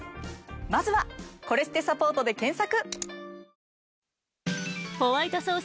まずは「コレステサポート」で検索！